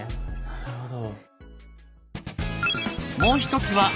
なるほど。